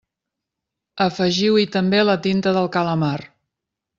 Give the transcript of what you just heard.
Afegiu-hi també la tinta del calamar.